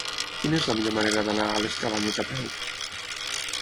Quina és la millor manera d'anar a les Cabanyes a peu?